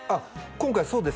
今回そうですね